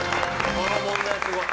この問題スゴい。